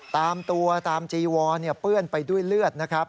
ตามตัวตามจีวอนเปื้อนไปด้วยเลือดนะครับ